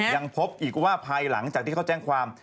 ยังพบอีกว่าภายหลังจากที่เขาแจ้งความ